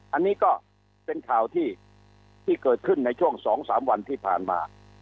อันนี้ก็เป็นข่าวที่เกิดขึ้นในช่วง๒๓วันที่ผ่านมา